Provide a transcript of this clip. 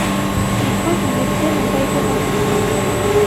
Les causes du décès n'ont pas été rendues publiques.